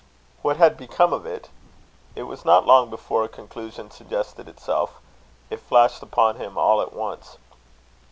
What had become of it? It was not long before a conclusion suggested itself. It flashed upon him all at once.